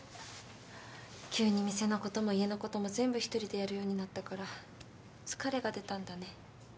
急に店のことも家のことも全部一人でやるようになったから疲れが出たんだね。